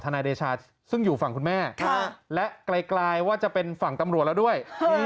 นายเดชาซึ่งอยู่ฝั่งคุณแม่และไกลว่าจะเป็นฝั่งตำรวจแล้วด้วย